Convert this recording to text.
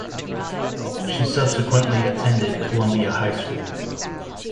She subsequently attended Columbia High School.